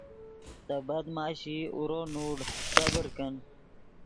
تے بد معاشی اورو نوڑ صبر کن